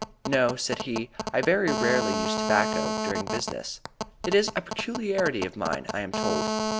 "No," said he. "I very rarely use tobacco during business; it is a peculiarity of mine, I am told."